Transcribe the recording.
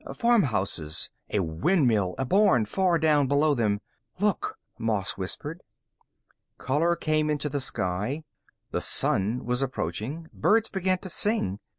Farmhouses. A windmill. A barn, far down below them. "Look!" Moss whispered. Color came into the sky. The Sun was approaching. Birds began to sing.